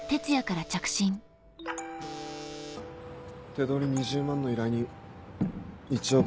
手取り２０万の依頼人１億払うそうだ。